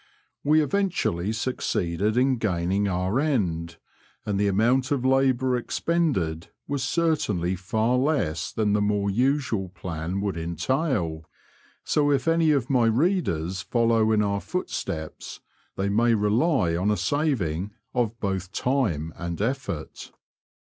We eventually succeeded in gaining our end, and the amount of labour expended was certainly far less than the more usual plan would entail ; so if any of my readers follow in our footsteps, they may rely on a saving of both time and effort.